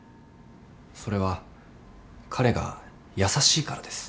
それは彼が優しいからです。